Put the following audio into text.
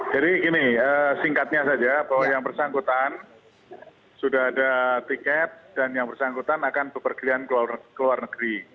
jadi gini singkatnya saja bahwa yang bersangkutan sudah ada tiket dan yang bersangkutan akan berpergian ke luar negeri